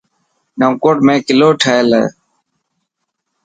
نئونڪوٽ ۾ ڪلو ٺهيل هي.